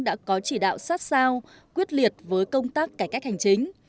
đã có chỉ đạo sát sao quyết liệt với công tác cải cách hành chính